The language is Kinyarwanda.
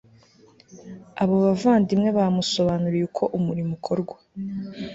abo bavandimwe bamusobanuriye uko umurimo ukorwa